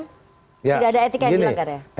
tidak ada etika yang dilanggar ya